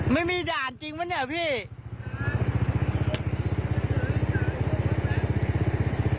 ไม่มีด่านจริงปะเนี่ยพี่